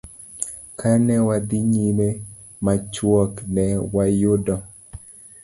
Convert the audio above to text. Ka ne wadhi nyime machuok, ne wayudo